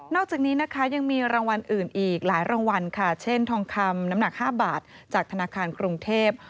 อกจากนี้นะคะยังมีรางวัลอื่นอีกหลายรางวัลค่ะเช่นทองคำน้ำหนัก๕บาทจากธนาคารกรุงเทพ